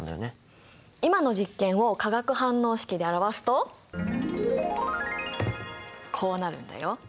今の実験を化学反応式で表すとこうなるんだよ。